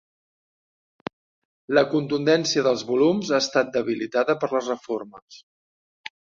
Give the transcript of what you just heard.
La contundència dels volums ha estat debilitada per les reformes.